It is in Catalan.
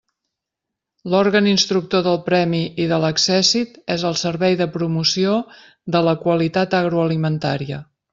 L'òrgan instructor del premi i de l'accèssit és el Servei de Promoció de la Qualitat Agroalimentària.